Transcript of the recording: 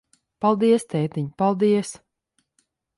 Paldies, tētiņ, paldies.